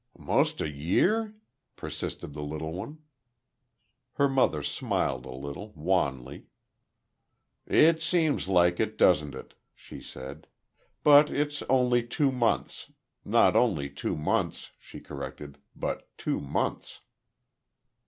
"'Most a year?" persisted the little one. Her mother smiled a little, wanly. "It seems like it, doesn't it?" she said. "But it's only two months not only two months," she corrected; "but two months."